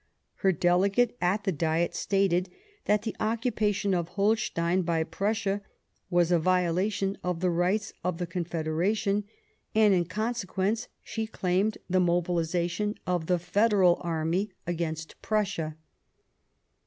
Her Delegate at the Diet stated that the Prussia leaves occupation of Holstein by Prussia was a lederation violation of the rights of the Confedera tion, and, in consequence, she claimed the mobilization of the Federal Army against Prussia.